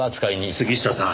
杉下さん。